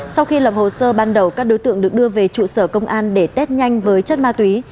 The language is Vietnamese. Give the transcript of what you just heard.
sau khi lập hồ sơ ban đầu các đối tượng được đưa về trụ sở công an để test nhanh với chất ma túy